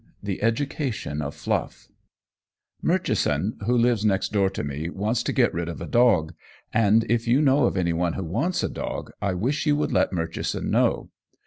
THE EDUCATION OF FLUFF Murchison, who lives next door to me, wants to get rid of a dog, and if you know of anyone who wants a dog I wish you would let Murchison know.